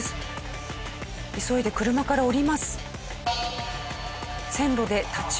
急いで車から降ります。